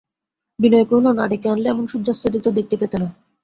বিনয় কহিল, না ডেকে আনলে এমন সূর্যাস্তটি তো দেখতে পেতে না।